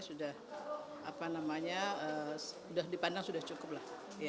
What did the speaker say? sudah dipandang sudah cukup lah